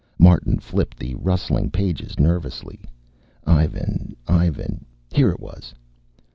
Martin flipped the rustling pages nervously. Ivan, Ivan here it was.